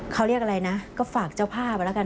เขาเรียกไรนะก็ฝากเจ้าพ่ารู้กัน